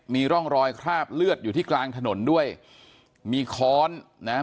มีร่องรอยคราบเลือดอยู่ที่กลางถนนด้วยมีค้อนนะฮะ